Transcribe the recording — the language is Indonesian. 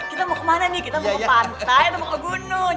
kita mau ke pantai atau mau ke gunung